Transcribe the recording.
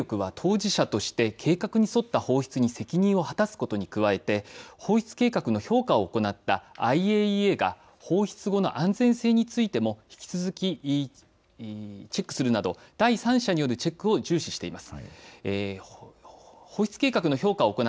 政府と東京電力は当事者として計画に沿った放出に責任を果たすことに加えて放出計画の評価を行ったＩＡＥＡが放出後の安全性についても引き続きチェックするなど、第三者によるチェックを重視しています。